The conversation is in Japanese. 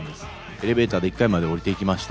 エレベーターで１階まで降りていきました。